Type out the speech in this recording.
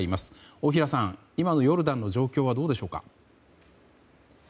大平さん、今のヨルダンの状況はどうでしょうか。